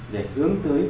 để hướng tới hoạt động